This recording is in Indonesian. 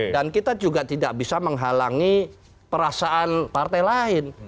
dan kita juga tidak bisa menghalangi perasaan partai lain